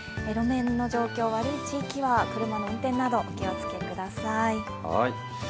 路面の状況が悪い地域は車の運転などお気を付けください。